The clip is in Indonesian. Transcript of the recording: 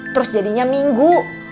terus jadinya minggu